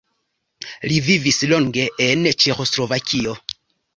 Li vivis longe en Ĉeĥoslovakio.